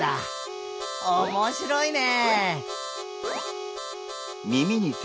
おもしろいね！